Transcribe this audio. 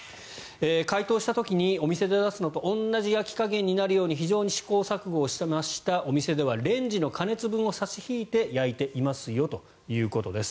解凍した時にお店で出すのと同じ焼き加減になるように非常に試行錯誤しましたお店ではレンジの加熱分を差し引いて焼いていますよということです。